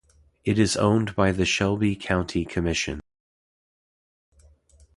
It is owned by the Shelby County Commission.